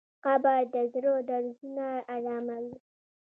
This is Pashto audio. قبر د زړه درزونه اراموي.